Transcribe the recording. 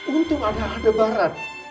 untung ada al de barat